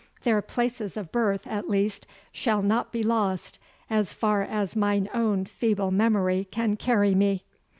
Their places of birth at least shall not be lost as far as mine own feeble memory can carry me.